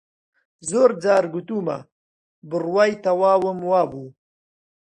زۆر جار گوتوومە، بڕوای تەواوم وا بوو